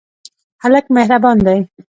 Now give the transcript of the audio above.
هلک مهربان دی.